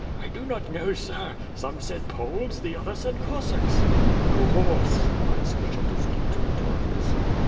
"1 do not know sir. Some said Poles, the others said Cossacks." "To horse!" cried Skshetuski, to the Tartars.